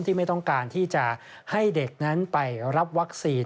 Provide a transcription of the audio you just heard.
ไม่ต้องการที่จะให้เด็กนั้นไปรับวัคซีน